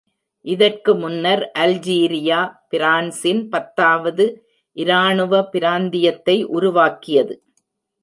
இதற்கு முன்னர் அல்ஜீரியா பிரான்சின் பத்தாவது இராணுவ பிராந்தியத்தை உருவாக்கியது.